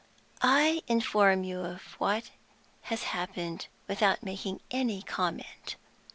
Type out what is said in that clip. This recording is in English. "I inform you of what has happened without making any comment.